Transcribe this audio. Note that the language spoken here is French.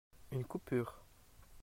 Une coupure.